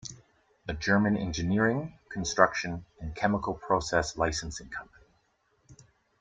A German engineering, construction and chemical process licensing company.